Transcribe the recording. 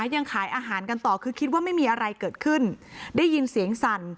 ยังขายอาหารกันต่อคือคิดว่าไม่มีอะไรเกิดขึ้นได้ยินเสียงสั่น